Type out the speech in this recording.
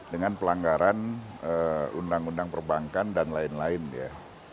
dengan pelanggaran undang undang perbankan dan lain lain ya